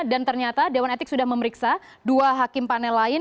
dan ternyata dewan etik sudah memeriksa dua hakim panel lain